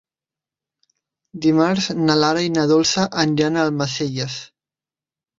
Dimarts na Lara i na Dolça aniran a Almacelles.